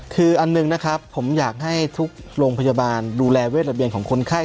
คืออันหนึ่งนะครับผมอยากให้ทุกโรงพยาบาลดูแลเวทระเบียนของคนไข้